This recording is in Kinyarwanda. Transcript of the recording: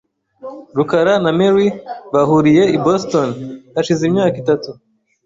rukara na Mary bahuriye i Boston hashize imyaka itatu .